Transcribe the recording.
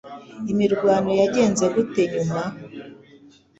Imirwano yagenze gute nyuma